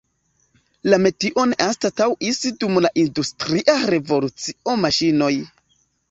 La metion anstataŭis dum la industria revolucio maŝinoj.